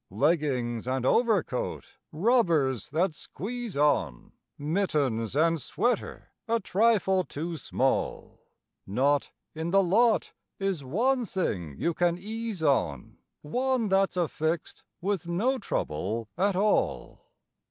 Leggings and overcoat, rubbers that squeeze on, Mittens and sweater a trifle too small; Not in the lot is one thing you can ease on, One that's affixed with no trouble at all.